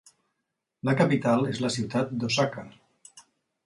La capital és la ciutat d'Osaka.